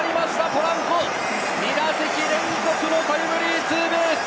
ポランコ、２打席連続タイムリーツーベース！